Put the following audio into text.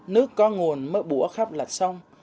nước có nguồn mới bủa khắp lạch sông